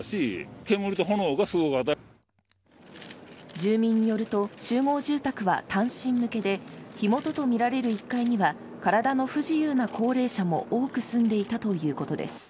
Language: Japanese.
住民によると集合住宅は単身向けで火元とみられる１階には体の不自由な高齢者も多く住んでいたということです。